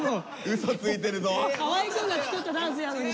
河合くんが作ったダンスやのに。